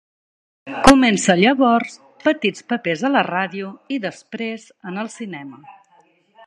Comença llavors petits papers a la ràdio i després en el cinema.